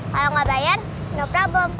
kalau nggak bayar no problem